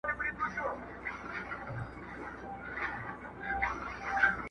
o تم سه چي مسکا ته دي نغمې د بلبل واغوندم,